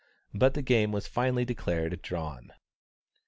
But the game was finally declared drawn.